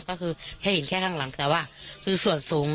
ก็คือให้เห็นแค่ข้างหลังแต่ว่าคือส่วนสูง